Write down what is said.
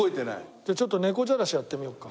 じゃあちょっとネコジャラシやってみようか。